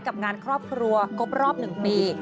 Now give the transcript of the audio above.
กับงานครอบครัวครบรอบ๑ปี